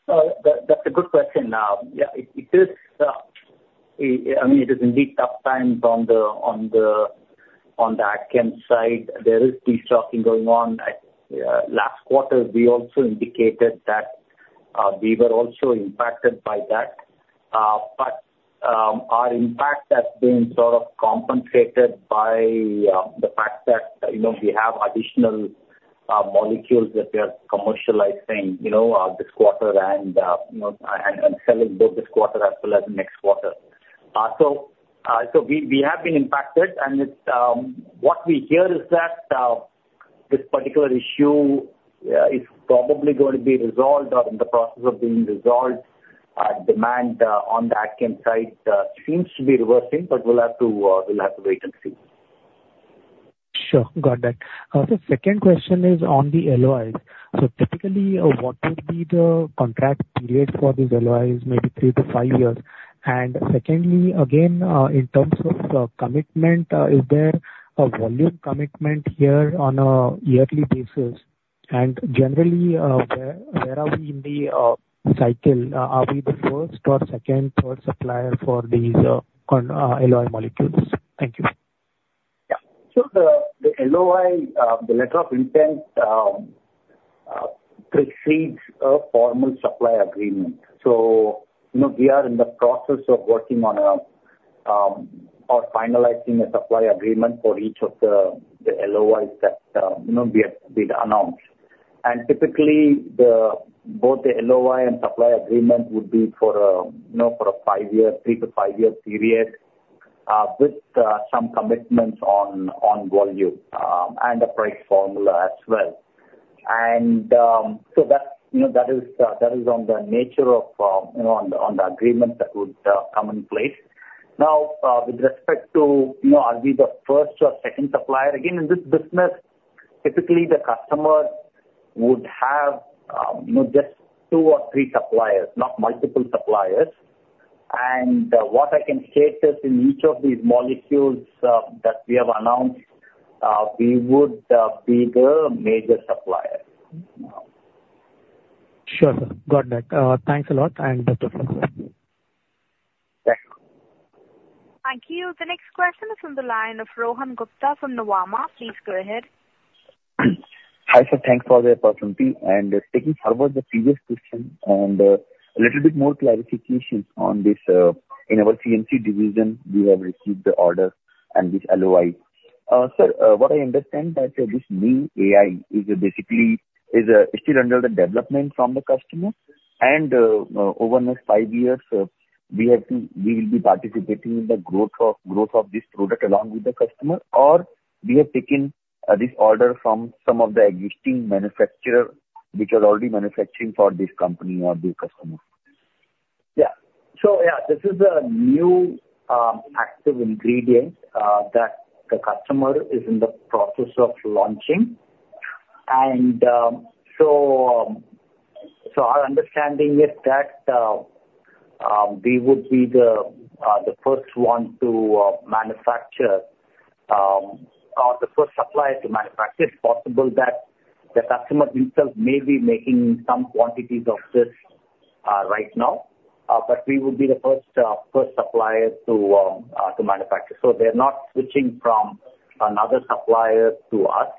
That's a good question. Yeah. I mean, it is indeed tough times on the agchem side. There is destocking going on. Last quarter, we also indicated that we were also impacted by that. But our impact has been sort of compensated by the fact that we have additional molecules that we are commercializing this quarter and selling both this quarter as well as the next quarter. So we have been impacted. And what we hear is that this particular issue is probably going to be resolved or in the process of being resolved. Demand on the agchem side seems to be reversing, but we'll have to wait and see. Sure. Got that. The second question is on the LOIs. So typically, what would be the contract period for these LOIs? Maybe three to five years. And secondly, again, in terms of commitment, is there a volume commitment here on a yearly basis? And generally, where are we in the cycle? Are we the first or second, third supplier for these LOI molecules? Thank you. Yeah. So the LOI, the letter of intent, precedes a formal supply agreement. So we are in the process of working on or finalizing a supply agreement for each of the LOIs that we have been announced. And typically, both the LOI and supply agreement would be for a three to five-year period with some commitments on volume and a price formula as well. And so that is on the nature of on the agreement that would come in place. Now, with respect to are we the first or second supplier? Again, in this business, typically, the customer would have just two or three suppliers, not multiple suppliers. And what I can state is in each of these molecules that we have announced, we would be the major supplier. Sure, sir. Got that. Thanks a lot, and best of luck. Thank you. Thank you. The next question is from the line of Rohan Gupta from Nuvama. Please go ahead. Hi, sir. Thanks for the opportunity. And taking forward the previous question and a little bit more clarifications on this, in our CMC division, we have received the order and this LOI. Sir, what I understand that this new AI is basically still under the development from the customer. And over the next five years, we will be participating in the growth of this product along with the customer, or we have taken this order from some of the existing manufacturer which are already manufacturing for this company or this customer. Yeah. So yeah, this is a new active ingredient that the customer is in the process of launching. So our understanding is that we would be the first one to manufacture or the first supplier to manufacture. It's possible that the customer himself may be making some quantities of this right now, but we would be the first supplier to manufacture. So they're not switching from another supplier to us.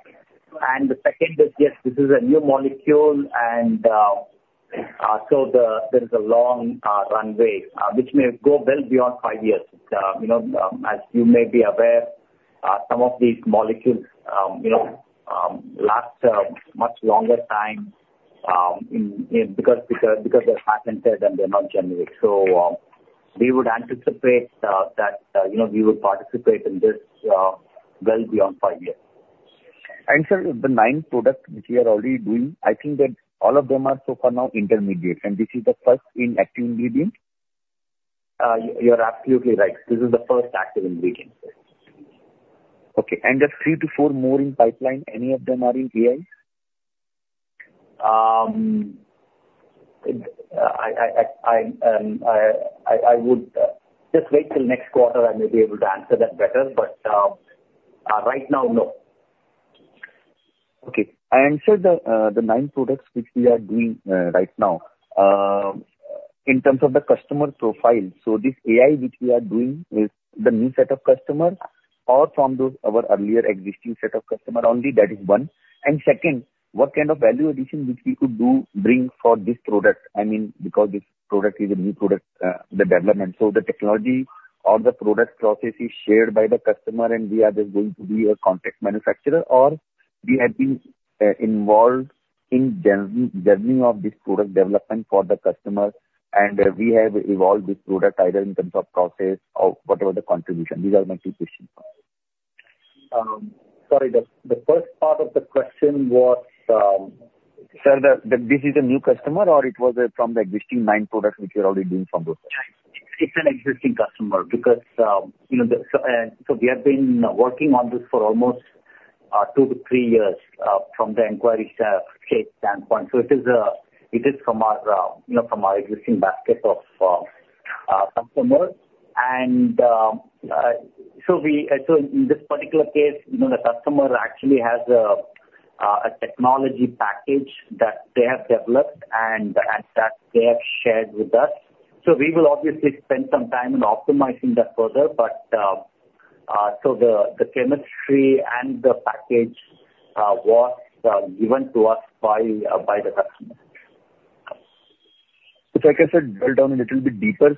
And the second is, yes, this is a new molecule, and so there is a long runway which may go well beyond five years. As you may be aware, some of these molecules last much longer time because they're patented and they're not generic. So we would anticipate that we would participate in this well beyond five years. Sir, the nine products which we are already doing, I think that all of them are so far now intermediates. This is the first active ingredient? You're absolutely right. This is the first active ingredient. Okay. There's three to four more in pipeline. Any of them are in AI? I would just wait till next quarter. I may be able to answer that better. But right now, no. Okay. And sir, the nine products which we are doing right now, in terms of the customer profile, so this AI which we are doing is the new set of customers or from our earlier existing set of customers only? That is one. And second, what kind of value addition which we could bring for this product? I mean, because this product is a new product, the development. So the technology or the product process is shared by the customer, and we are just going to be a contract manufacturer, or we have been involved in the journey of this product development for the customer, and we have evolved this product either in terms of process or whatever the contribution? These are my two questions. Sorry. The first part of the question was. Sir, this is a new customer, or it was from the existing nine products which you're already doing from those? It's an existing customer because so we have been working on this for almost two to three years from the inquiry side standpoint. So it is from our existing basket of customers. And so in this particular case, the customer actually has a technology package that they have developed and that they have shared with us. So we will obviously spend some time in optimizing that further. So the chemistry and the package was given to us by the customer. Like I said, drill down a little bit deeper.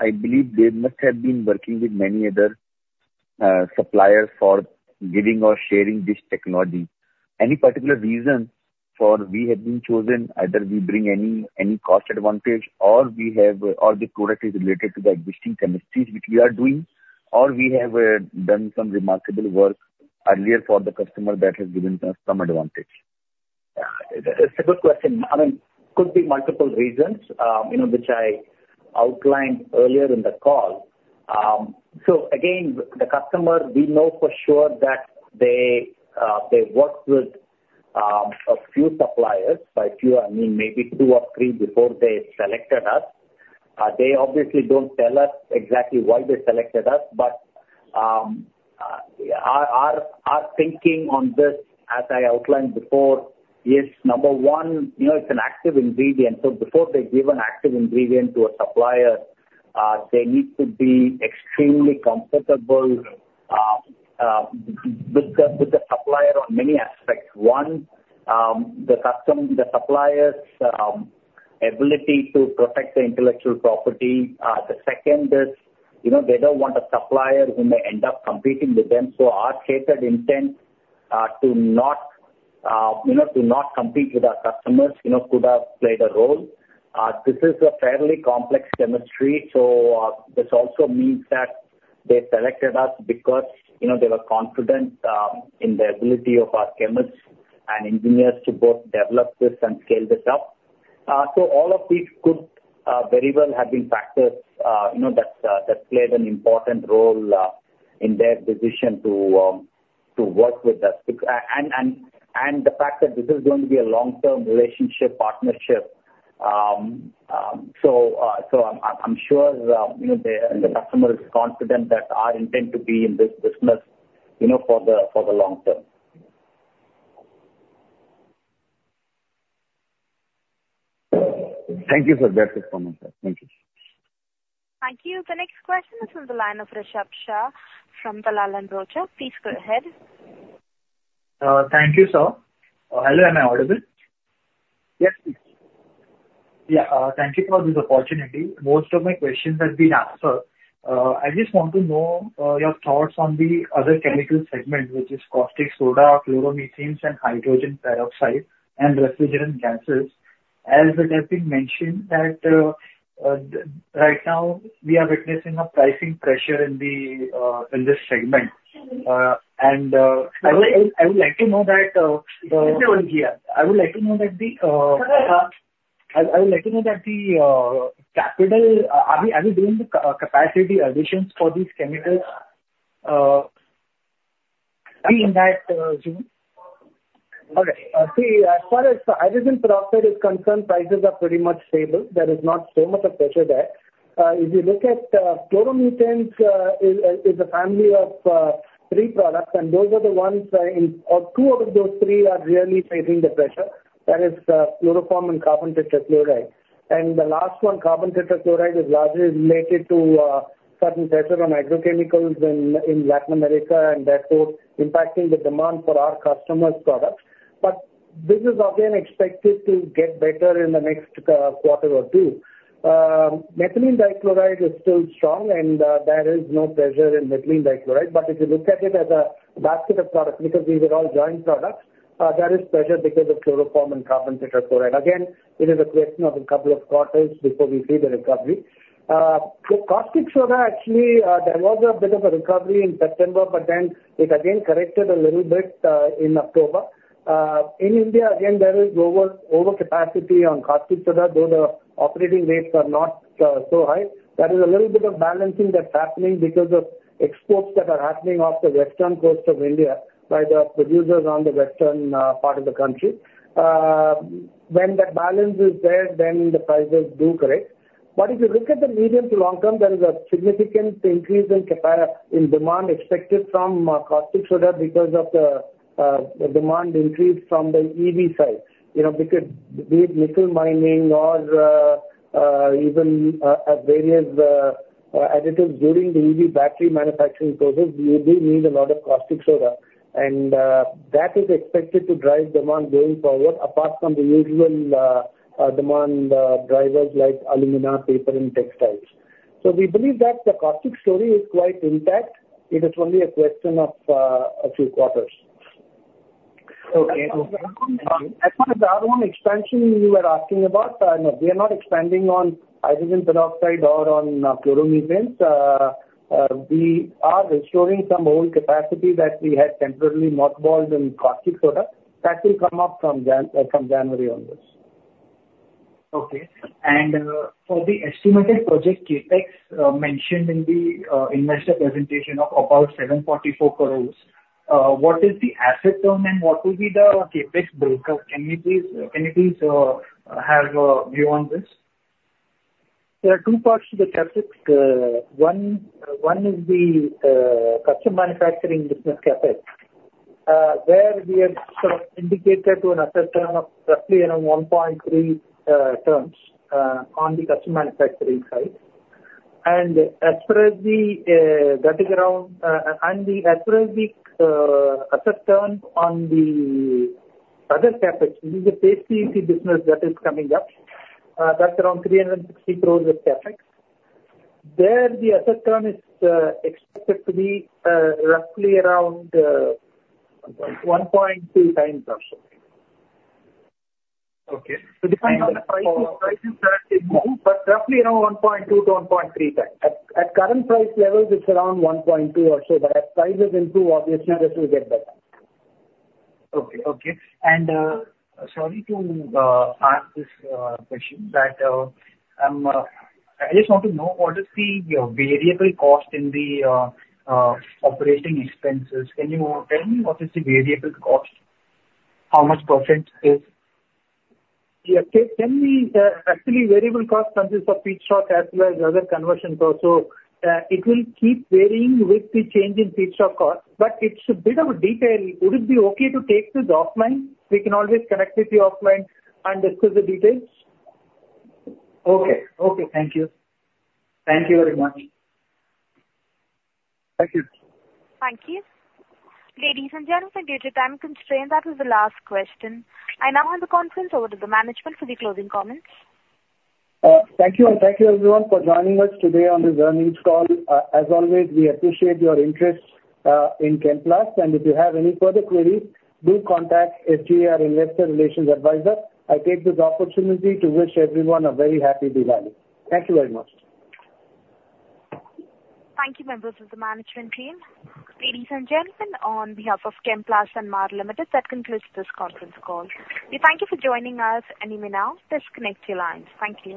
I believe they must have been working with many other suppliers for giving or sharing this technology. Any particular reason for we have been chosen? Either we bring any cost advantage, or the product is related to the existing chemistries which we are doing, or we have done some remarkable work earlier for the customer that has given us some advantage. It's a good question. I mean, could be multiple reasons which I outlined earlier in the call. So again, the customer, we know for sure that they worked with a few suppliers or fewer. I mean, maybe two or three before they selected us. They obviously don't tell us exactly why they selected us, but our thinking on this, as I outlined before, is number one, it's an active ingredient. So before they give an active ingredient to a supplier, they need to be extremely comfortable with the supplier on many aspects. One, the supplier's ability to protect the intellectual property. The second is they don't want a supplier who may end up competing with them. So our stated intent to not compete with our customers could have played a role. This is a fairly complex chemistry. So this also means that they selected us because they were confident in the ability of our chemists and engineers to both develop this and scale this up. So all of these could very well have been factors that played an important role in their decision to work with us and the fact that this is going to be a long-term relationship, partnership. So I'm sure the customer is confident that our intent to be in this business for the long term. Thank you for that performance, sir. Thank you. Thank you. The next question is from the line of Rishabh Shah from Prabhudas Lilladher. Please go ahead. Thank you, sir. Hello. Am I audible? Yes, please. Yeah. Thank you for this opportunity. Most of my questions have been answered. I just want to know your thoughts on the other chemical segment, which is caustic soda, chloromethanes, and hydrogen peroxide and refrigerant gases. As it has been mentioned that right now, we are witnessing a pricing pressure in this segment. And I would like to know that the. You say only here. I would like to know that the. Go ahead, sir. I would like to know that the capital, are we doing the capacity additions for these chemicals in that zone? Okay. See, as far as hydrogen peroxide is concerned, prices are pretty much stable. There is not so much of pressure there. If you look at chloromethanes, it's a family of three products, and those are the ones or two out of those three are really facing the pressure. That is chloroform and carbon tetrachloride. And the last one, carbon tetrachloride, is largely related to certain pressure on agrochemicals in Latin America, and therefore, impacting the demand for our customers' products. But this is again expected to get better in the next quarter or two. Methylene dichloride is still strong, and there is no pressure in methylene dichloride. But if you look at it as a basket of products because these are all joint products, there is pressure because of chloroform and carbon tetrachloride. Again, it is a question of a couple of quarters before we see the recovery. For caustic soda, actually, there was a bit of a recovery in September, but then it again corrected a little bit in October. In India, again, there is overcapacity on caustic soda, though the operating rates are not so high. There is a little bit of balancing that's happening because of exports that are happening off the western coast of India by the producers on the western part of the country. When that balance is there, then the prices do correct. But if you look at the medium to long term, there is a significant increase in demand expected from caustic soda because of the demand increase from the EV side. Because be it nickel mining or even various additives during the EV battery manufacturing process, you do need a lot of caustic soda. That is expected to drive demand going forward apart from the usual demand drivers like aluminum, paper, and textiles. We believe that the caustic story is quite intact. It is only a question of a few quarters. Okay. Thank you. As far as the other one expansion you were asking about, no, we are not expanding on hydrogen peroxide or on chloromethanes. We are restoring some old capacity that we had temporarily mothballed in caustic soda. That will come up from January onwards. Okay. For the estimated project CapEx mentioned in the investor presentation of about 744 crore, what is the asset turn, and what will be the CapEx break-up? Can you please have a view on this? There are two parts to the CapEx. One is the custom manufacturing business CapEx, where we have sort of indicated an asset turn of roughly around 1.3 times on the custom manufacturing side. And as far as the asset turn on the other CapEx, this is the Paste PVC business that is coming up. That's around 360 crore of CapEx. There, the asset turn is expected to be roughly around 1.2 times or so. Okay. And. So depending on the prices, prices that improve, but roughly around 1.2-1.3 times. At current price levels, it's around 1.2 or so. But as prices improve, obviously, this will get better. Okay. Okay. Sorry to ask this question, but I just want to know, what is the variable cost in the operating expenses? Can you tell me what is the variable cost? How much percent is? Yeah. Actually, variable cost consists of feedstock as well as other conversions also. It will keep varying with the change in feedstock cost, but it's a bit of a detail. Would it be okay to take this offline? We can always connect with you offline and discuss the details. Okay. Okay. Thank you. Thank you very much. Thank you. Thank you. Ladies and gentlemen, due to time constraints, that is the last question. I now hand the conference over to the management for the closing comments. Thank you. Thank you, everyone, for joining us today on this earnings call. As always, we appreciate your interest in Chemplast. If you have any further queries, do contact SGA Investor Relations Advisor. I take this opportunity to wish everyone a very happy Diwali. Thank you very much. Thank you, members of the Management Team. Ladies and gentlemen, on behalf of Chemplast Sanmar Ltd, that concludes this conference call. We thank you for joining us. If you now disconnect your lines, thank you.